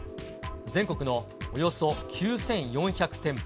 全国のおよそ９４００店舗。